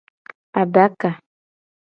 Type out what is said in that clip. Adaka.